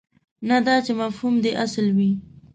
نه دا چې مفهوم دې اصل وي.